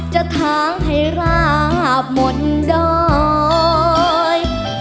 ทางให้ราบหมดดอย